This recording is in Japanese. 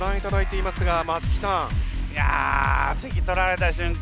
いや席取られた瞬間